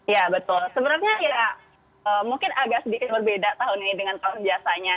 ya betul sebenarnya ya mungkin agak sedikit berbeda tahun ini dengan tahun biasanya